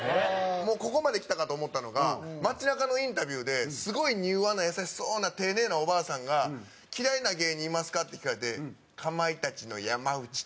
ここまできたかと思ったのが街なかのインタビューですごい柔和な優しそうな丁寧なおばあさんが「嫌いな芸人いますか？」って聞かれて「かまいたちの山内」って。